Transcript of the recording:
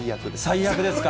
最悪ですか。